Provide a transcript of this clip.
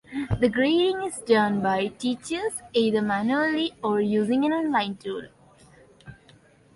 The grading is done by teachers, either manually or using an online tool.